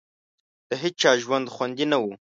د هېچا ژوند خوندي نه وو.